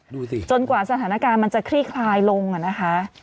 ดูสิจนกว่าสถานการณ์มันจะคลี่คลายลงอ่ะนะคะ